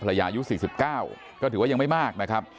อายุ๔๙ก็ถือว่ายังไม่มากนะครับ